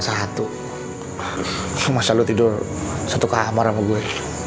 satu masa lu tidur satu kamar sama gue